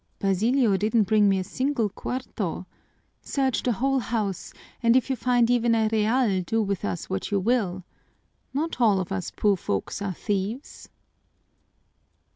Basilio didn't bring me a single cuarto. Search the whole house and if you find even a real, do with us what you will. Not all of us poor folks are thieves!"